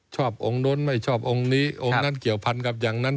ชอบองค์นู้นไม่ชอบองค์นี้องค์นั้นเกี่ยวพันกับอย่างนั้น